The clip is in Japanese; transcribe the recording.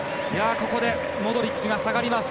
ここでモドリッチが下がります。